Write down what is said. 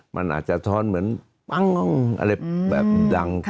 มันอาจจะท้อนเหมือนปั้งอะไรแบบดัง